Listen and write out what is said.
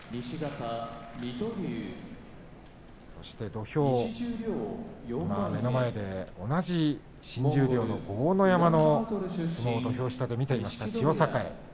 土俵の目の前で同じ新十両の豪ノ山の相撲を土俵下で見ていました千代栄です。